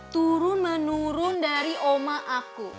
turun menurun dari oma aku